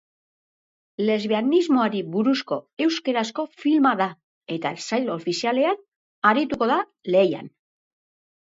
Lesbianismoari buruzko euskarazko filma da, eta sail ofizialean arituko da lehian.